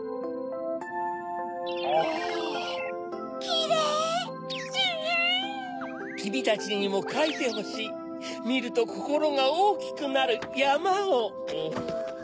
きみたちにもかいてほしいみるとココロがおおきくなるやまを。